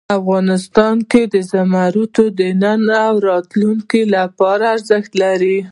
افغانستان کې زمرد د نن او راتلونکي لپاره ارزښت لري.